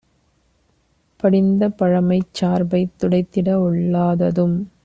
படிந்தபழமைச் சார்பைத் துடைத்திட ஒல்லாததும்